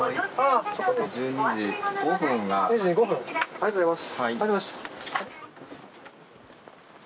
ありがとうございます。